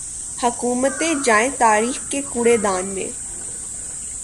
حکومتیں جائیں تاریخ کے کوڑے دان میں۔